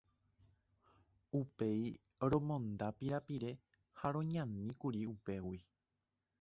Upéi romonda pirapire ha roñaníkuri upégui.